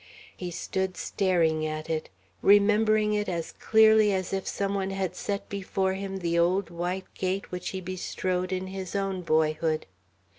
He stood staring at it, remembering it as clearly as if some one had set before him the old white gate which he bestrode in his own boyhood.